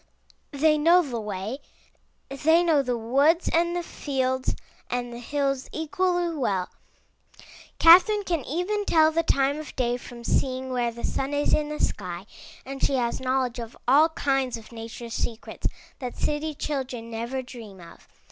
They know the way; they know the woods and the fields and the hills equally well. Catherine can even tell the time of day from seeing where the sun is in the sky, and she has knowledge of all kinds of nature's secrets that city children never dream of.